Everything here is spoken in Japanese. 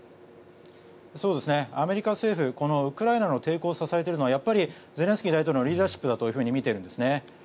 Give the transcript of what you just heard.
アメリカ政府このウクライナの抵抗を支えているのはゼレンスキー大統領のリーダーシップとみているんですね。